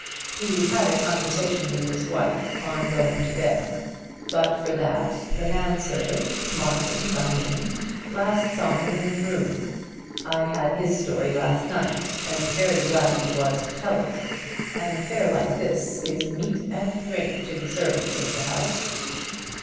"He had a conversation with his wife on going to bed. But for that, the man servant, Martin by name, last saw him in this room. I had his story last night, and very glad he was to tell it. An affair like this is meat and drink to the servants of the house."